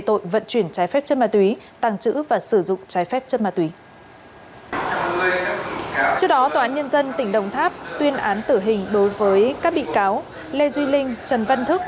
tổ quản nhân dân tỉnh đồng tháp tuyên án tử hình đối với các bị cáo lê duy linh trần văn thức